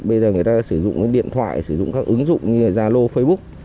bây giờ người ta sử dụng điện thoại sử dụng các ứng dụng như zalo facebook